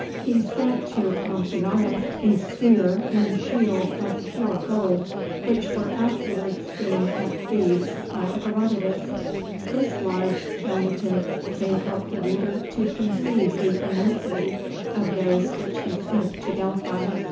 He sent to Amphiaraus a spear and shield of pure gold, which were afterward seen at Thebes by Herodotus: this large donative may help the reader to conceive the immensity of those which he sent to Delphi.